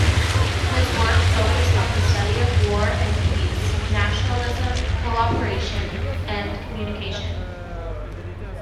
His work focused on the study of war and peace, nationalism, co-operation and communication.